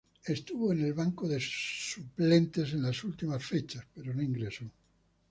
Estuvo en el banco de suplentes en las últimas fechas, pero no ingresó.